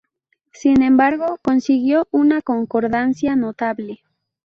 Sin embargo, consiguió una concordancia notable.